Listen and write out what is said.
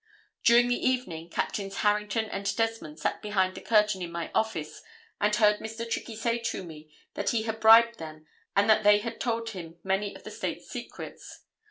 During the evening, Captains Harrington and Desmond sat behind the curtain in my office and heard Mr. Trickey say to me that he had bribed them and that they had told him many of the State's secrets.